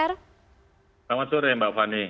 selamat sore mbak fani